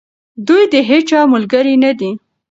دوی د هیچا ملګري نه دي.